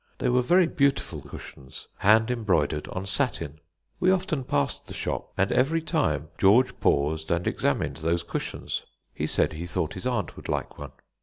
They were very beautiful cushions, hand embroidered on satin. We often passed the shop, and every time George paused and examined those cushions. He said he thought his aunt would like one.